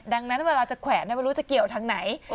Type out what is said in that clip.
ดังนั้นเวลาจะแขวนไม่รู้จะเกี่ยวทางไหน